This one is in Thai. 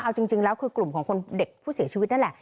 เอาจริงแล้วคือกลุ่มของคนเด็กผู้เสียชีวิตนั่นแหละ